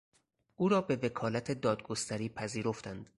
او را به وکالت دادگستری پذیرفتند.